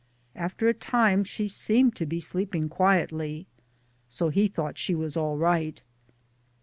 After a time she seemed to be sleeping quietly, so he thought she was all right.